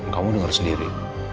kamu dengar sendiri